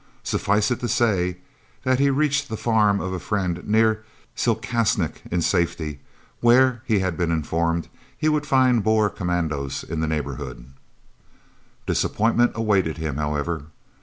Suffice it to say that he reached the farm of a friend near Silkatsnek in safety, where, he had been informed, he would find Boer commandos in the neighbourhood. Disappointment awaited him, however.